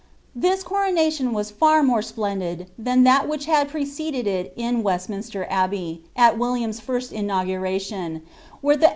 * This coronation was far more splendid than that which had preceded it in Westminster Abbey, at William's first inauguration, where the ■!>